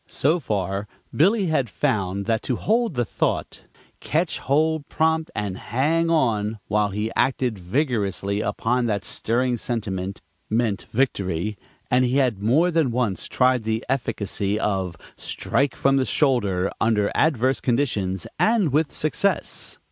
So far Billy had found that to hold the thought, "Ketch hold prompt and hang on," while he acted vigorously upon that stirring sentiment, meant victory, and he had more than once tried the efficacy of, "Strike from the shoulder," under adverse conditions and with success.